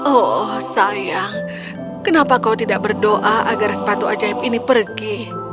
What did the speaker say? oh sayang kenapa kau tidak berdoa agar sepatu ajaib ini pergi